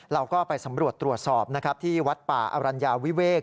เราก็ไปสำรวจตรวจสอบนะครับที่วัดป่าอรัญญาวิเวก